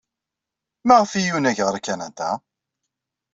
Maɣef ay yunag ɣer Kanada?